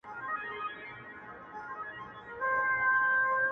• زېږوې که د دې خلکو په څېر بل خر ,